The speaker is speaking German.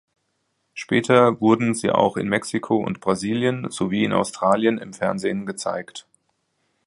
Später wurden sie auch in Mexiko und Brasilien sowie in Australien im Fernsehen gezeigt.